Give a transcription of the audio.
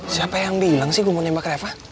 siapa yang bilang sih gue mau nembak reva